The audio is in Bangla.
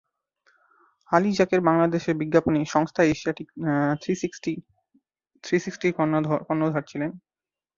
আলী যাকের বাংলাদেশের বিজ্ঞাপনী "সংস্থা এশিয়াটিক থ্রিসিক্সটি"-র কর্ণধার ছিলেন।